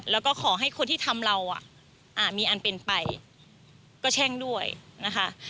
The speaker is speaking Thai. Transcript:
แล้วก็ขอให้คนที่ทำเรามีอันเป็นไปก็แช่งด้วยนะคะ